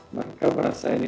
mereka merasa ini